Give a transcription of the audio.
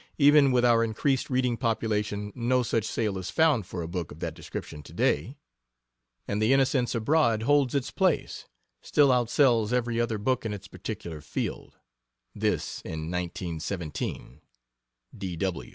Even with our increased reading population no such sale is found for a book of that description to day. And the Innocents Abroad holds its place still outsells every other book in its particular field. [This in 1917. D.W.